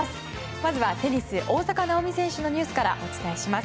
まずはテニス、大坂なおみ選手のニュースからお伝えします。